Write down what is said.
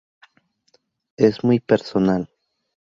Es muy personal".